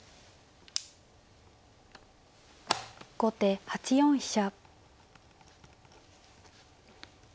後手８四飛車。